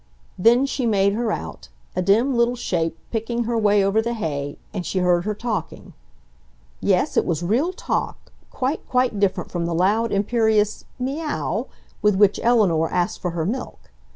Then she made her out, a dim little shape, picking her way over the hay, and she heard her talking. Yes, it was real talk, quite, quite different from the loud, imperious "MIAUW!" with which Eleanor asked for her milk.